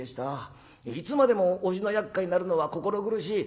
いつまでもおじの厄介になるのは心苦しい。